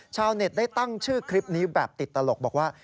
ชาวเน็ตได้ตั้งชื่อคลิปนี้แบบติดตลกบอกว่า